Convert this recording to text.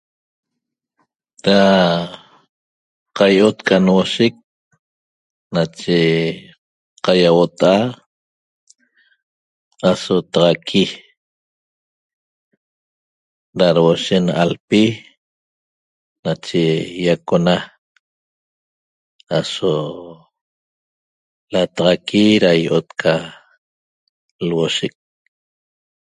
Da qai'ot ca nuoshec nache qaiuota'a aso taxaqui da duoshe na alpi nache ýacona aso lataxaqui da i'ot ca luoshec